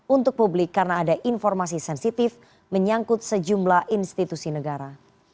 untuk publik karena ada informasi sensitif menyangkut sejumlah institusi negara